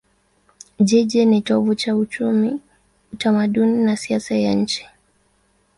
Jiji ni kitovu cha uchumi, utamaduni na siasa ya nchi.